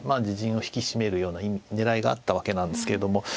自陣を引き締めるような狙いがあったわけなんですけども。